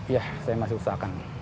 ya saya masih usahakan